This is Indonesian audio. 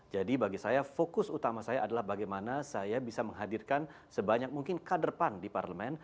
jadi bagi saya fokus utama saya adalah bagaimana saya bisa menghadirkan sebanyak mungkin kader pan di parlemen